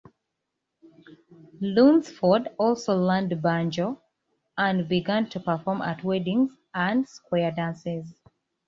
Lunsford also learned banjo and began to perform at weddings and square dances.